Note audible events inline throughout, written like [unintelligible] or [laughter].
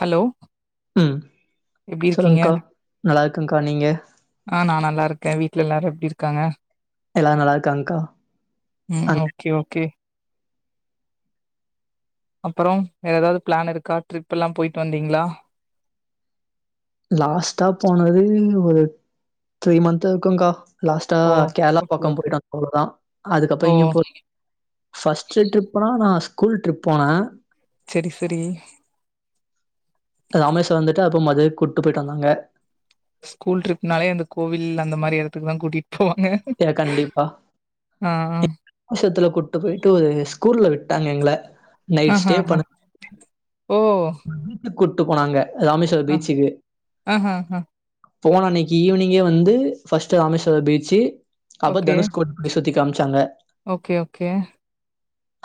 Hello எப்டி இருக்கீங்க? நல்லாருக்கக்கா நீங்க? ஆ நா நல்லாருக்கே வீட்ல எல்லாரு எப்டி இருக்காங்க? எல்லாரு நல்லாருக்காங்க்கா ம் அங் ஓகே ஓகே அப்பறொ வேற எதாவ்து ப்ளான் இருக்கா ட்ரிப் எல்லா போயிட்டு வந்தீங்ளா? லாஸ்ட்டா போனது ஒரு த்ரீ மந்த் இருக்குங்கா லாஸ்ட்டா ஓ கேரளா ஓகே பக்க ஓகே போயிட்டு வந்தே அவ்ளதா அதுக்கப்ற ஓ எங்கியு போல ஃபஸ்ட்டு ட்ரிப்புனா நா ஸ்கூல் ட்ரிப் போனே செரி செரி ராமேஸ்வர வந்துட்டு அப்ப மதுரைக்கு கூட்டு போயிட்டு வந்தாங்க ஸ்கூல் ட்ரிப்னாலே அந்த கோவில் அந்த மாரி எடத்துக்கு தா கூட்டிட் ய கண்டிப்பா ஆ ஆ வருஷத்துல கூட்டு போய்ட்டு ஸ்கூல்ல விட்டாங்க எங்கள நைட் ஸ்டே ஆஹஹா பண்ண ஓ பீச்சுக்கு கூட்டு போனாங்க ராமேஸ்வர அ பீச்சுக்கு ஆஹஹா போன அன்னைக்கு ஈவினிங்கே வந்து ஃபர்ஸ்ட்டு ராமேஸ்வர பீச்சு அப்ப ஓகே தனுஷ் கோடி சுத்தி காம்ச்சாங்க ஓகே ஓகே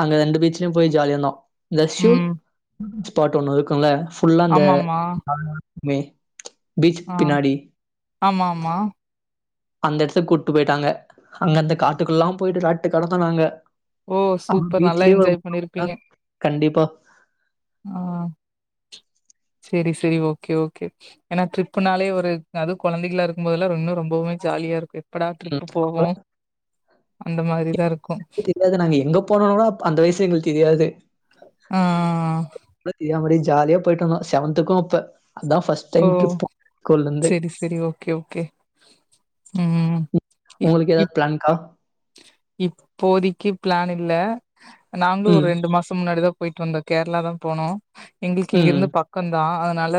அங்க ரெண்டு பீச்லயு போய் ஜாலியாருந்தோ இந்த ஷுட் ம் ஸ்பாட் ஒன்னு இருக்குல்ல ஃபுல்லா அந்த ஆமாமா [inaudible] மே பீச் ஆ பின்னாடி ஆமா ஆமா அந்த இடத்து கூட்டு போயிட்டாங்க அங்கந்த காட்டுக்குல்லா போயிட்டு ராட்டு கடந்தோனாங்க ஓ சூப்பர் நல்லா என்ஜாய் பண்ணிருப்பீங்க கண்டிப்பா ஆ சரி சரி ஓகே ஓகே ஏன்னா ட்ரிப்புனாலே ஒரு அதுவு கொழந்தைகளா இருக்கும்போதெல்லா இன்னு ரொம்பவுமே ஜாலியா இருக்கு எப்படா ம் ட்ரிப்பு போகு அப்பலா அந்த மாதிரிதா இருக்கு இ இது நங்கியே எங்க போனும்னடா அந்த வயசு எங்களுக்கு தெரியாது ஆ பத் எவரேஜ் ஜாலியா போயிட்டு வந்தோ செவன்த்துக்கு இப்ப ஓ சரி சரி ஓகே ஓகே ம் உங்களுக்கு ஏதாவது பிளான்கா இப்போதிக்கு ப்ளான் இல்ல நாங்களு ஒரு ம் ரெண்டு மாசோ முன்னாடிதா போயிட்டு வந்தோ கேரளா தா போனோ எங்களுக்கு ம் இங்கிருந்து பக்கம் தா அதனால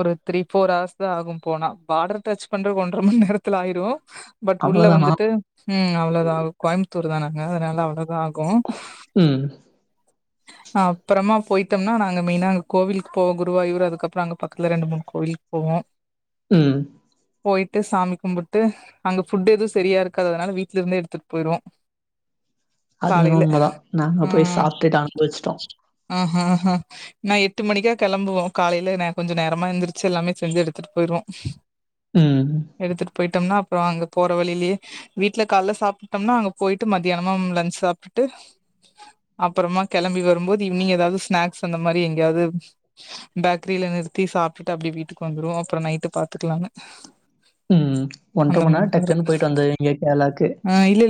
ஒரு த்ரீ ஃபோர் ஹர்ஸ் அதா ஆகு போனா பார்டர் டச் பண்ற ஒன்றரை மணி நேரத்தில ஆயிடு பட் உள்ள அவ்வளதானா? வந்துட்டு ம் அவ்வளோதா கோயம்புத்தூர் தானங்க அதனால அவ்ளோதா ஆகு ம் அப்புறமா அ போயிட்டோம்னா நாங்க மெயினா நாங்க கோவில்க்கு போவோ குருவாயூர் அதுக்கப்புறோ அங்க பக்கத்துல ரெண்டு மூண கோிலுக்கு போவோ ம் போயிட்டு சாமி கும்பிட்டு அங்க ஃபுட் எதுவு சரியா இருக்காது அதனால வீட்டுல இருந்தே எடுத்துட்டு போயிருவோ அது எனமோ உண்மதா நாங்க போய் ம் சாப்பிட்டுட்டு அனுபவிச்சிட்டோ ஆ நா எட்டு மணிக்கா கிளம்புவோ காலையில ந கொஞ்சம் நேரமா எந்திருச்சு எல்லாமே செஞ்சு எடுத்துட்டு போயிருவோ ம். எடுத்துட்டு போயிட்டோம்னா அப்புறோ அங்க போற வழிலயே வீட்டுல கால சாப் சாப்டோம்னா அங்க போயிட்டு மதியானமா லஞ்சு சாப்பிட்டுட்டு அப்புறமா கிளம்பி வரும்போது ஈவி்னிங் ஏதாவது ஸ்நாக்ஸ் அந்த மாதிரி எங்கேயாவது பேக்கரியில நிறுத்தி சாப்பிட்டுட்டு அப்படியே வீட்டுக்கு வந்துருவோ அப்புறோ நைட்டு பாத்துக்கலானு ம் ஒன்ர மணி நேரோ டக்குன்னு போயிட்டு வந்துரீங்க கேரளாக்கு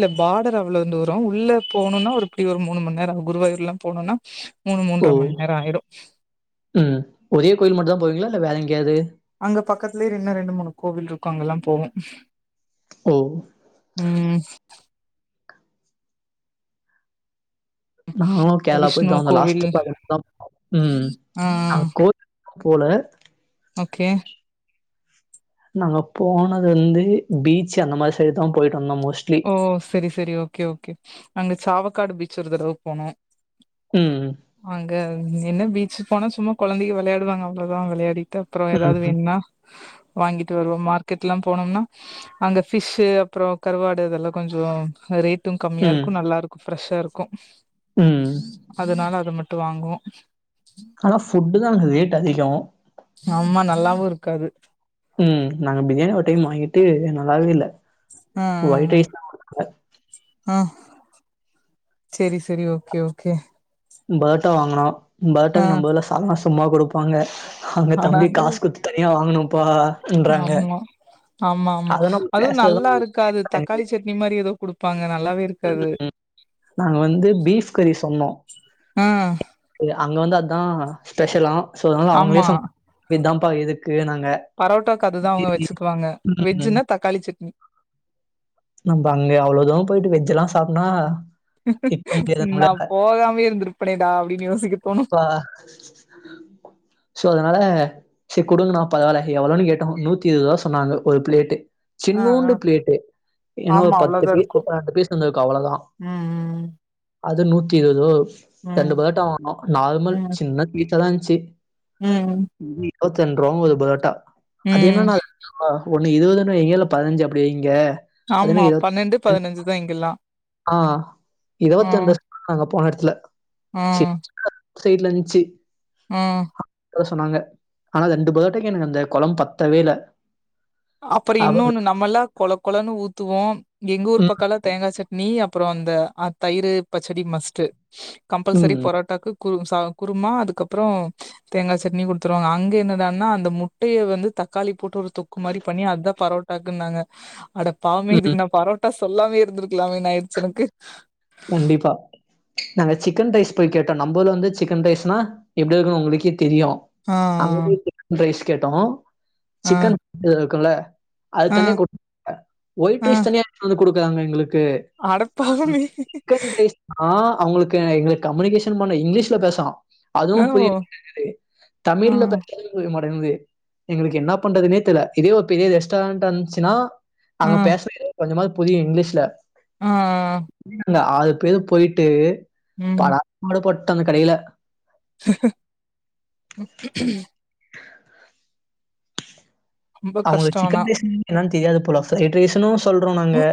இந்த பார்டர் அவ்ளோந் தூரோ உள்ள போணுன்னா ஒரு இப்பிடி ஒரு மூணு மணி நேரோ குருவாயூர்லா போகணுன்னா ஓ ம் ஒரே கோயில் மட்டு தா போவீங்களா வேற எங்கியாவது அங்க பக்கத்திலயே இன்ன ரெண்டு மூணு கோவில் இருக் க் அங்கலா போவோ ஓ! ம் நானு கேரளா விஷ்ணு போயிட்டுதா வந்தோ கோவில் லாஸ்ட் [unintelligible] ம் ஆ அங் கோயி போல ஓகே நாங்க போனதுந்து பீச் அந்த மாதிரி சைடுதா போயிட்டு வந்தோ மோ ஓ சேரி சேரி ஓகே ஓகே அங்க சாவ க்காடு பீச் ஒரு தடவ போனோ ம் ம் என்ன பீச்சி போனா சும்மா குழந்தைங்க விளையாடுவாங்க அவ்ளோதா விளையாடிட் ட் அப்புறோ ஏதாது ம். வேணுன்னா வாங்கிட்டு வருவோ மார்க்கெட்ல்லா போனோம்னா அங்க ஃபிஷ் அப்புறோ கருவா டு இதெல்லா கொஞ்சோ ரேட் ட்டு கம்மியா ம். இருக்கு நல்லா இருக்கு ஃப்ரெஷ்ஷா இருக்கு ம். அதுனால அது மட் ட்டு வாங்குவோ கனா ஃபுட்டு் தா அங்க ரேட் ட் அதிகோ ஆமா நல்லாவு இருக்காது ம் நாங்க பிரியாணி ஒரு டைம் வாங்கிட்டு நல்லாவே இல்ல ஆ ஒயிட் ஆ ரைஸ் தான் குடுத்தாங்க. ஆ ஆ சேரி சேரி ஓகே ஓகே பரோட்டா வாங்கனோ ஆ பரோட்டாக்கு நம்ம ஊர்ல சால்னா சும்மா குடுப்பாங்க அங்க தம்பி காசு குடுத்து தனியா வாங்கணு ப்பா நார்மலா ஆமா ஆமா அத நம்ம அதுவும் நல்லா பேசதான் இருக்காது தக்காளி சட்னி மாரி ஏதோ குடுப் ப்பாங்கனா நாங்க வந்து பீப் கறி சொன்னோம் ஆ அங்க வந்து அதான் ஸ்பெஷலாம் சோ அதனால அவுங்களே ஆமா சொ விதம் இப்ப எதுக் நாங்க பரோட்டாக்கு அதுதா அவங்க வச்சுக்குவாங்க வெஜ்ஜுன்னா [unintelligible] தக்காளி சட்னி அங்க அவ்ளோ தூரம் போயிட்டு வெஜ் எல்லாம் [unintelligible] நான் போகாமே இருந்திருப்பனேடா அப்டின்னு யோசிக்க தோணு ப்பா சோ அதனால செரி கொடுங்கண்ணா பரவால்ல எவ்ளோன்னு கேட்டோம் நூத்தி இருபது ரூவா சொன்னாங்க ஒரு பிளேட்டு ஆ ஆ சின்னூண்டு பிளேட்டு என்ன ஒரு ஆமா பத்து அவ்ளோதா பீஸ் இருக்கு பன்னெண்டு பீஸ் வந்திருக்கும் அவ்வளோ தான் ம் அது நூத்தி இருவது ரூவா வரும் ம் ஆ நார்மல் ம் சின்னபீ ச்சாதான் இருந்துச்சு ம் நூத்தென்றுவா ஒரு ப்ரோட்டா ம் ஒன்னு இருபதுன்னு வைங்க இல்ல பதினஞ்சுன்னு அப்படி வைங்க அது என்ன ஆமா இருவத் பன்னெண்டு பதினஞ்சு தான் இங்கெல்லாம் ஆ இருவத்தஞ்த நாங்க போன ல ம் சைடுல இருந்ச்சு ம் அதான் சொன்னாங்க ஆனா ரெண்டு பர்டேக்கு அந்த குழம்பு பத்தவே இல்ல அப்புறோம் அப்ப இன்னொன்னு நம்ம எல்லாம் கொழ குழன்னு ஊத்துவோ எங்க ஊர் ம் பக்கால தேங்கா சட்னி அப்புறோ இந்த தயிர் பச்சடி மஸ்ட்டு கம்பல்சரி ம் போராோட்டாக்கு குரும்ஸ் அதா குருமா அதுக்கப்புறோ தேங்கா சட்னி கொடுத்துருவாங்க அங்க என்னடானா அந்த முட்டைய வந்து தக்காளி போட்டு ஒரு அத மாதிரி பண்ணி அத பரோட்டாக்குன்னாங்க அடப் பாவமே ம் இதுக்கு நா பரோட்டாஸ் சொல்லாமலே இருந்திருக்கலாமேனு ஆயிடுச்சு எனக்கு கண்டிப்பா நாங்க சிக்கன் ரைஸ் போய் கேட்டோ நம்மல வந்து சிக்கன் ரைஸ்னா எப்படி இருக்கு உங்களுக்கே தெரியு ஆ அங்க சிக்கன் ஃப்ரைஸ் கேட்டோ ஆ சிக்கன் அ க்குல அது ஆ தனியா குடுப்பாக ஒயிட் ரைஸ் தனியா எடுத்துட்வந் குடுப் ஃபேமிலிங்களுக்கு அடப்பாவமே சிக்கன் ரைஸ் ஆ அவங்களுக்கு எங்களுக்கு கம்யூனிகேஷன் பண்ண இங்கிலீஷ்ல பேசனு அதுவு ஓ புரிய மாட்டேங்குது ஆ தமிழ்ல பேசுறது புரியமாட் து எங்களுக்கு என்ன பண்றதுனே தெரிய இதே பெரிய ரெஸ்டாரன்ட்டா இருந்துச்சுன்னா ஆ அவங்க பேசற கொஞ்சமாது புதிய இங்கிலீஷ்ல ஆ இதுல ஆறு பேர் போயிட்டு ம் படாதபாடு பட் ட்டு அந்த கடையில ரொம்ப அவங்களுக்கு கஷ்டோ ஆனா சிக்கன் பீஸ் என்னாதுக் தெரியாது போல எட்ரேஷன்னு சொல்றோ நாங்க ம்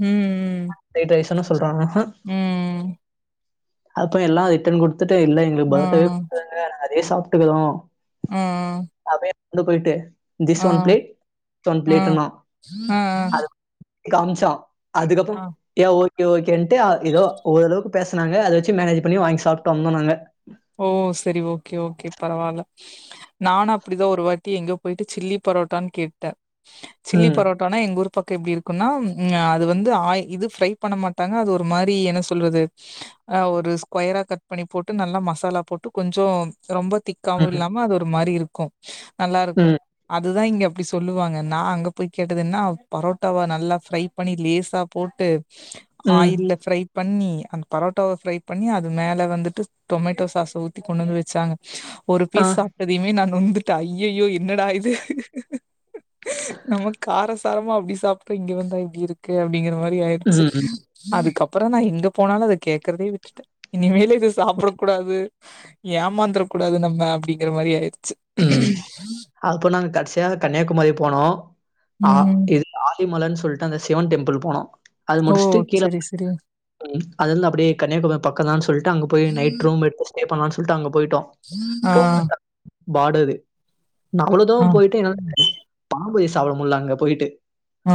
ம். ஃப்ரைட்ரைஸ் தானே சொல்றாங்க ம். அப்ப எல்லா ரிட்டன் குடுத் த்துட்டு இல்ல எங்களுக்கு ஆ. பட்டேவே கூப்ட்டாங்க நெறைய சாப்பிட்டுக்றோ ம் ம் ந்து போயிட்டு திஸ் ஒன் பிளேட் ஒன் ஆ. பிளேட்டுனா அது காம்ச்சா அதுக்கப்பம் ஆ. ஏ ஓ ஒகே ஒகேன்ட் எதோ ஓரளவுக்கு பேசனாங்க அத ச்சி மேனேஜ் பண்ணி வாங்கி சாப்பிட்டு வந்தோ நாங்க ஓ சேரி ஓகே ஓகே பரவால நானு அப்பிடிதா ஒரு வாட்டி எங்க போயிட்டு சில்லி பரோட்டான்னு கேட்டே சில்லி ம் பரோட்டானா எங்க ஊரு பாக்க எப்பிடி இருக்குனா ம் அது வந்து ஆ இது ப்ரை பண்ண மாட்டாங்க அது ஒரு மாரி என்ன சொல்றது ஆ ஒரு ஸ்கொயரா கட் பண்ணி போட்டு நல்லா மசா மசாலா போட்டு கொஞ்சோ ரொம்ப திக்காவு ம் இல்லாம அது ஒரு மாரி இருக் கு நல்லா இருக்கு ம் அத் இதுதா இங்க அப்பிடி சொல்லுவாங்க நா அங்க போய் கேட்டதுன்னா பரோட்டாவ நல்லா ஃப்ரை பண்ணி லேஸா போட்டு ம் ஆயில்ல ஃப்ரை பண்ணி அந்த பரோட்டாவ ஃபிரை பண்ணி அது மேல வந்துட்டு டொமேட்டோ சாச ஊத்தி கொண்டு வந்து வச்சாங்க ஒரு ஆ பீஸ் சாப்ட்டதையுமே நா நொந்து ட்ட அய்அய்யயோ என்னட இது நம கார சாரமா அப்பிடி சாப்புட்டோ இங்க வந்தா இப்பிடி இருக்கு அப்பிடிங்கிற மாரி ப்டி ஆயிடிச்சி ம் ம், அதுக்கப் ப்புறோ நா எங்க போனாலு அத கேக்கறதே விட்டுட்ட இனிமேலு து சாப்பட கூடாது ஏமாந்தர கூடாது நம்ம அப்பிடிங்கிற மாரி ஆயிச் ம் ஆக்ப்போறோ நாங்க கடசியா கன்னியாகுமரி போனோ ஆ ம் இது ஆ அதி மலர்ன்னு சொல்லிட்டு அந்த சிவன்டெம்பிள் போனோ ஓ சரி சரி ம் அதுந்து அப்டியே கன்னியாகுமரி பக்கம் தான்னு சொல்ட் டு அங்க போய நைட் ரூம் எடுத்து ஸ்டே பண்ணலா வுட்டாங்க ஆ பாடரது நா அவ்ளோதூ ஆ போயிட்டு என்னால பாம்பு சாவுள முல்ல அங்க போய்ட்டு ஆ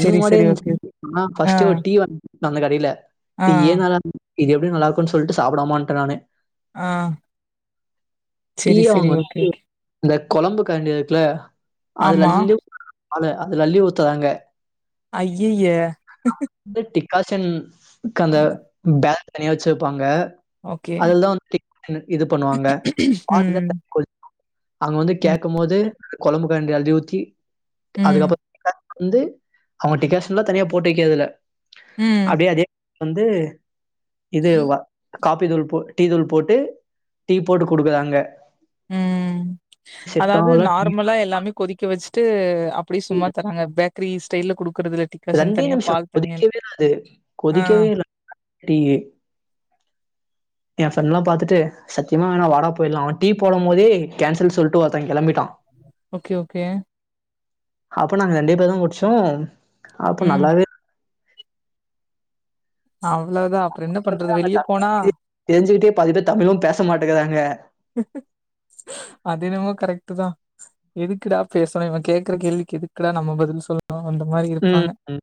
சேரி சேரி ஓகே நா ஆ பஃஸ்ட் ஒரு ட்டீ வ அந்த கடையில ஆ டீயே நல்லா இது எப்டி நல்லாக்குன் சொல்ட்டு சாப்டாமா வன்ட்ட நானு ஆ சேரி சேரி ஓகேகே கொழம்பு கரண்டிக்குல அதுல அள்ளி அது அதுல அள்ளி ஊத்ராங்க அய்யய்யே இந் டிக்காசன் கந்த அ பே தனியா வச்சுப்பாங்க ஓகே அதுல தா திக் இது பண்ணுவாங்க ம் [unintelligible] அங்க வந்து கேட்கமோது அந்த கொழம்புக்கரண்டி அள்ளி ஊத்தி ம் அதுக்கப் வந்து அவுங்க டிக்காஷலா தனியா போட்டு வைக்கரதுல ம் அப்டே அது வந்து இது வா காப்பி தூள் போ டீ தூள் போட்டு டீ போட்டு குடுக்குராங்க உம் அதாவது டீ நார்மலா எல்லாமே கொதிக்க வச் ட்டு அப்டியே சும்மா தராங்க பேக் த்ரீ ஸ்டைல்ல குடு ரெண்டே நிம்ஷோ கொதிக்கவே அது ஆ கொதிக்கவே இல்ல டீ எ ஃப்ரெண்லா பாத்துட்டு சத்தியமா வேணா வாடா போய்லா டீ போடமோதே கேன்சல் சொல்ட்டு ஒத்தன் கெளம்பிட்டா ஓகே ஓகே அப்ப நாங்க ரெண்டு பேரு குடுச்சோ அப்ப ம் நல்லாவே அவ்ளோதா அப்றோ என்ன பண்றது வெளிய போனா தெரிஞ்சுகிட்டே பாதிபேரு தமிழு பேச மாட்டங்கறாங்க கரெக்ட்தா எதுக்குடா பேசணு இவன் கேக்குற கேள்விக்கு எதுக்கடா நம்ம பதில் சொல் அவுங்க அந்த மாரி ம், இருப்பாங்க ம்.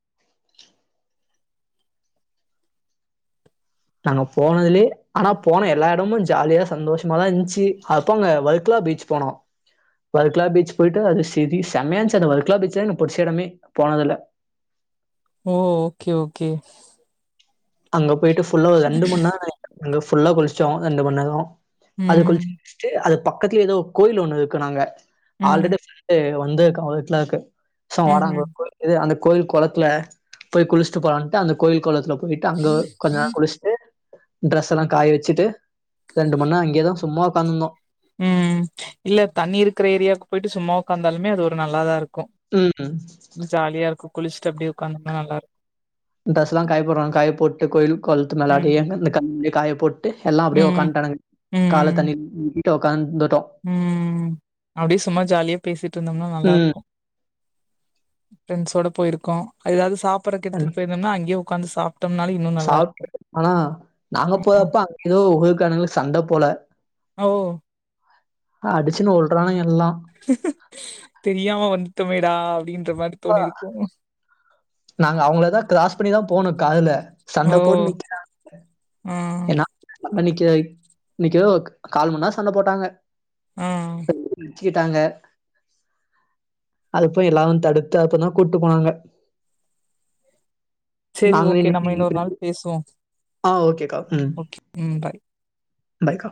நாங்க போனதுலயே ஆனா போன எல்லா இடமு ஜாலியா சந்தோஷமாதா இருந்துச்சு அப்போ அங்க வர்க்கலா பீச் போனோ வர்க்கலா பீச் போயிட்டு அது சரி செம்மையா இருந்துச்சு அந்த வர்க்கலா பீச்ல எனக்கு பிடிச்ச இடமே போனதுல ஓ ஓகே ஓகே அங்க போயிட்டு புல்லா ஒரு ரெண்டு மணி நேர அங்க ஃபுல்லா குளுச்சோ ரெண்டு மணி நேரோ ம் அதுக்குளுச்சு முடுச்ட்டு அது பக்கத்துல ஏதோ கோயில் ஒன்னு இருக்குனாங்க ம் ஆல்ரடி ஏதோ வந்த கால இருக்கு வாடாங்க ம்ஹ்ம் இரு இது அந்த கோயில் கொளத்ல போய் குளிச்சுட்டு போலான்ட்டு அந்த கோயில் கொளத்ல போய் அங்க கொஞ்ச நேரோ குளிச்சுட்டு ட்ரெஸ் எல்லா காய வச்சுட்டு மணி நேரம் அங்கேயே தான் சும்மா உட்காந்துருந்தோம். உம் இல்ல தண்ணி இருக்குற ஏரியாவுக்கு போயிட்டு சும்மா ஒக்கந்தாலுமே அது ஒரு நல்லாதா இருக்கு ம். க்கு ஜாலியா இருக்கு குளிச்சுட்டு அப்டியே ஒட்காந்தனா நல்லாருக்கு இந்தஸ்லாம் காய போடுறாங்க காய் போட்டு கோயில் கொழுத்து மளாடி ம் காயப்போட் டு எல்லா அப்படியே ம் உக்காந்துடாங்க கால ம் தண்ணி டு உக்கான்ந் ம் அப்படியே சும்மா ஜாலியா பேசிட்டு இருந்தோம்னா நல்லா ம். இருக்கு ஃப்ரரெண்ட்ஸோட பேயிருக்கோ ஏதாவது சாப் இன்னும் சாப் நல்லாருக்கும். ஆனா நாங்க போதப்ப ஏதோ உகக்கானங்களுக்கு சண்ட போல ஓ! அடிச்சுனு வுல்றான எல்லா தா அப்டின்னு பா நாங்க அவங்களதா கிராஸ் பண்ணிதா போனோ காதுல சண்ட ஓ! போட்டு நிக்கிற ஆ, ஏனா அன்னைக்கு இன்னைக்கு எதோ கால் மணிநேரோ சண்ட போட்டாங்க ஆ. உ சிட்டாங்க அதுக்குபோய் எல்லாரு தடுத் த அப்பதா கூட்டு போனாங்க சரி நாங்க ஓகே நம்ம இன்னொரு நின்று நாள் பேசுவோ ஆ ஓகேக்கா ம் ஓகே ம் பாய் பைக்கா